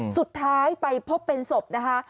สุดท้ายไปพบเป็นศพนะคะ